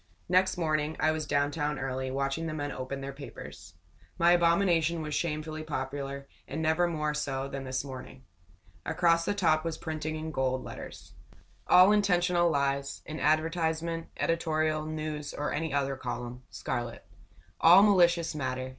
Next morning I was down town early, watching the men open their papers. My abomination was shamefully popular, and never more so than this morning. Across the top was printing in gold letters: All intentional lies, in adv., editorial, news, or any other column. . .Scarlet All malicious matter.